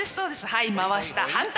はい回した反対側も。